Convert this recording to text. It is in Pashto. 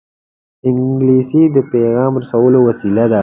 انګلیسي د پېغام رسولو وسیله ده